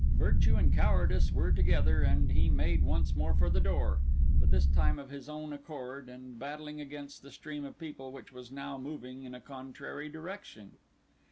Virtue and cowardice were together, and he made once more for the door, but this time of his own accord, and battling against the stream of people which was now moving in a contrary direction.